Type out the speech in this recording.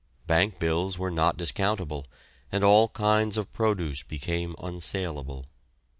Bank bills were not discountable, and all kinds of produce became unsaleable.